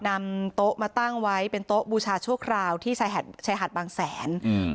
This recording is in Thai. นำโต๊ะมาตั้งไว้เป็นโต๊ะบูชาชั่วคราวที่ชายหาดชายหาดบางแสนอืม